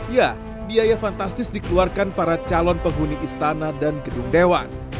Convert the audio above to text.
ya biaya fantastis dikeluarkan para calon penghuni istana dan gedung dewan